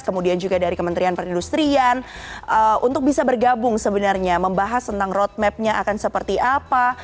kemudian juga dari kementerian perindustrian untuk bisa bergabung sebenarnya membahas tentang roadmapnya akan seperti apa